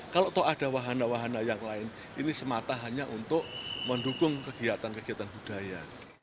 kalau ada wahana wahana yang lain ini semata hanya untuk mendukung kegiatan kegiatan budaya